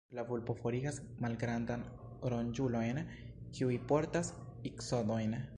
La vulpo forigas malgrandajn ronĝulojn, kiuj portas iksodojn.